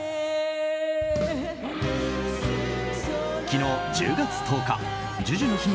昨日１０月１０日